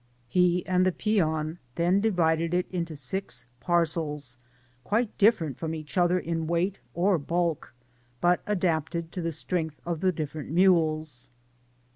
He and the peon then divided it into six parcels, quite different from each other in weight or bulk, but adapted to the strength of the different mules.